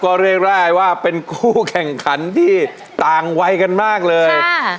ก็เรียกได้ว่าเป็นคู่แข่งขันที่ต่างวัยกันมากเลย